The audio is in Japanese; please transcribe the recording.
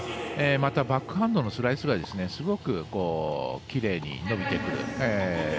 バックハンドのスライスはすごくきれいに伸びてくる。